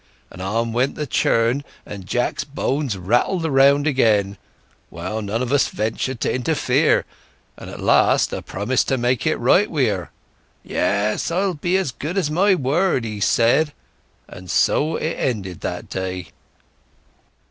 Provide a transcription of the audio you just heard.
And on went the churn, and Jack's bones rattled round again. Well, none of us ventured to interfere; and at last 'a promised to make it right wi' her. 'Yes—I'll be as good as my word!' he said. And so it ended that day."